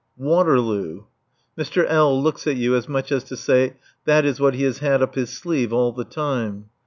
WATERLOO! Mr. L. looks at you as much as to say that is what he has had up his sleeve all the time.